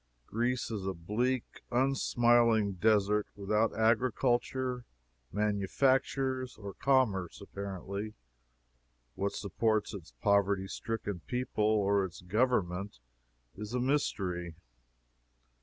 Greece is a bleak, unsmiling desert, without agriculture, manufactures or commerce, apparently. What supports its poverty stricken people or its Government, is a mystery.